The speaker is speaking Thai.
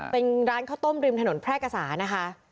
เป็นร้านข้าวต้มริมถนนแพร่กษานะคะ